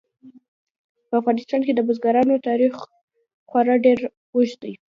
په افغانستان کې د بزګانو تاریخ خورا ډېر اوږد دی.